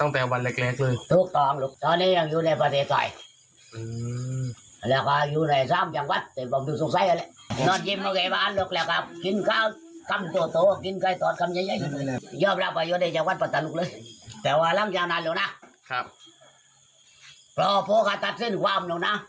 โปรโภคตัดสิ้นความหนึ่งนะ